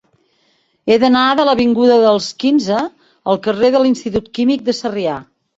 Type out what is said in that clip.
He d'anar de l'avinguda dels Quinze al carrer de l'Institut Químic de Sarrià.